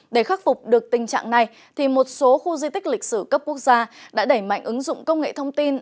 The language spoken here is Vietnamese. để khắc phục được tình trạng này một số khu di tích lịch sử cấp quốc gia đã đẩy mạnh ứng dụng công nghệ thông tin